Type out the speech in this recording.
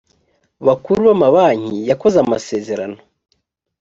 bakuru b amabanki yakoze amasezerano